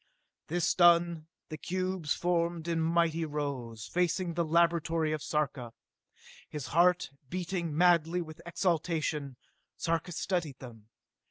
This done, the cubes formed in mighty rows, facing the laboratory of Sarka. His heart beating madly with exultation, Sarka studied them.